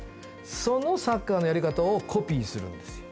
そのサッカーのやり方をコピーするんですよ